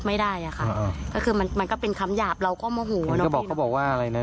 ไม่ได้อ่ะคือมันก็เป็นคำหยาบเราก็โมโหว